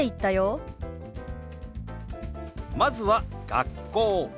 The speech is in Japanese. まずは「学校」。